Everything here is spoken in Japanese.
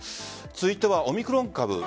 続いてはオミクロン株。